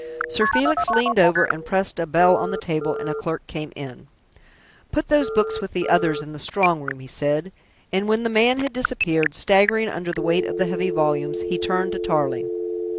Sir Felix leaned over and pressed a bell on the table, and a clerk came in. "Put those books with the others in the strong room," he said, and when the man had disappeared, staggering under the weight of the heavy volumes he turned to Tarling.